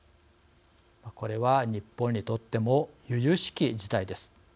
これは日本にとってもゆゆしき事態です。